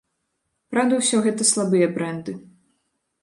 Праўда, усё гэта слабыя брэнды.